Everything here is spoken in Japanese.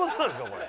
これ。